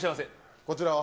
こちらは？